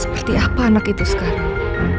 seperti apa anak itu sekarang